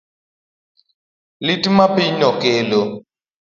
Lit ma pinyni kelo